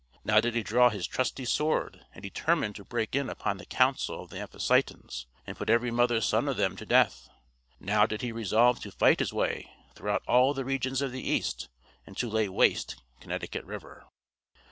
Now did he draw his trusty sword, and determine to break in upon the council of the Amphictyons, and put every mother's son of them to death. Now did he resolve to fight his way throughout all the regions of the east, and to lay waste Connecticut river.